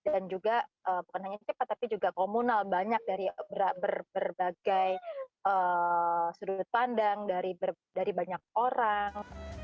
dan juga bukan hanya cepat tapi juga komunal banyak dari berbagai sudut pandang dari banyak orang